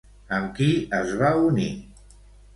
Amb qui es va unir?